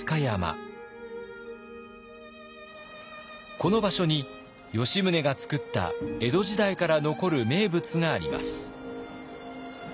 この場所に吉宗が作った江戸時代から残る名物があります。